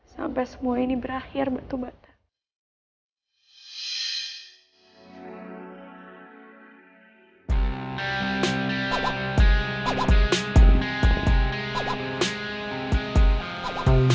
sampai semua ini berakhir batu bata